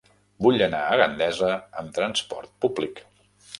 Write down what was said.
Vull anar a Gandesa amb trasport públic.